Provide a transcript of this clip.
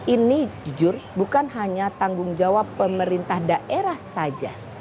ini jujur bukan hanya tanggung jawab pemerintah daerah saja